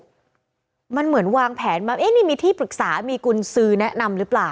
มันเหมือนวางแผนมาเอ๊ะนี่มีที่ปรึกษามีกุญสือแนะนำหรือเปล่า